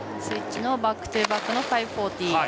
スイッチのバックトゥバックの５４０。